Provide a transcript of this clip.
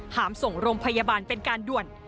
หามส่งโรงพยาบาลเป็นการด่วน